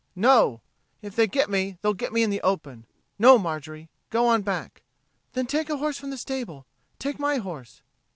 "No! If they get me, they'll get me in the open. No, Marjorie. Go on back." "Then take a horse from the stable. Take my horse."